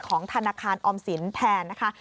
ของธนาคารออมสินแทนนะคะ